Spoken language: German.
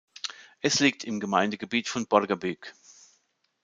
Es liegt im Gemeindegebiet von Borgarbyggð.